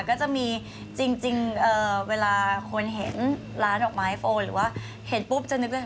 ก็จะมีจริงเวลาคนเห็นร้านดอกไม้โฟนหรือว่าเห็นปุ๊บจะนึกเลย